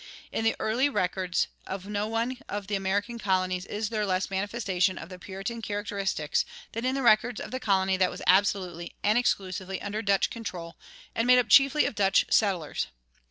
In the early records of no one of the American colonies is there less manifestation of the Puritan characteristics than in the records of the colony that was absolutely and exclusively under Dutch control and made up chiefly of Dutch settlers.